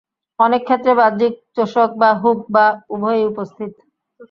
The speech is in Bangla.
অনেক ক্ষেত্রে বাহ্যিক চোষক বা হুক বা উভয়ই উপস্থিত।